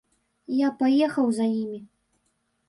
Я паехаў за імі.